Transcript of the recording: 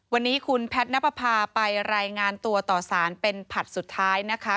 วันนี้คุณแพทย์นับประพาไปรายงานตัวต่อสารเป็นผลัดสุดท้ายนะคะ